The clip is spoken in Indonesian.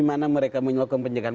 mana mereka menyokong pencegahan